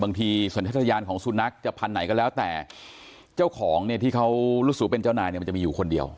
สัญชาติยานของสุนัขจะพันธุ์ไหนก็แล้วแต่เจ้าของเนี่ยที่เขารู้สึกเป็นเจ้านายเนี่ยมันจะมีอยู่คนเดียว